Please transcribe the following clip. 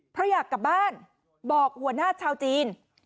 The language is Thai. เพราะอยากกลับบ้านบอกหัวหน้าชาวจีน